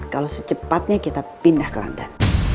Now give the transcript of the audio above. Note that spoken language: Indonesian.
kalau secepatnya kita pindah ke london